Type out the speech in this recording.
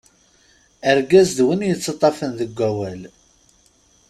Argaz, d win yettaṭṭafen deg wawal-